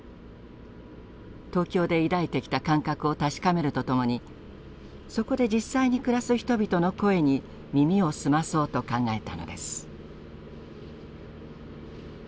東京で抱いてきた感覚を確かめるとともにそこで実際に暮らす人々の声に耳を澄まそうと考えたのです。